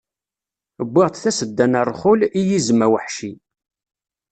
Wwiɣ-d tasedda n rrxul, i yizem aweḥci.